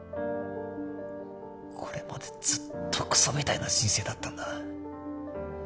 これまでずっとクソみたいな人生だったんだ